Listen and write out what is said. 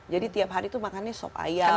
jadi tiap hari tuh makannya sop ayam